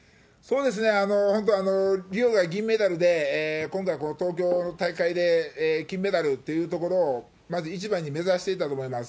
本当、リオが銀メダルで、今回、この東京の大会で金メダルっていうところをまず一番に目指していたと思います。